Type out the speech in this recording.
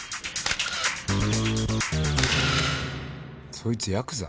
そいつヤクザ？